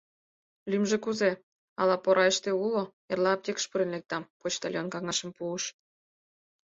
— Лӱмжӧ кузе? ала Порайыште уло, эрла аптекыш пурен лектам, — почтальон каҥашым пуыш.